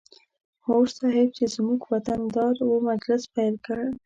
هوډ صیب چې زموږ وطن دار و مجلس پیل کړ.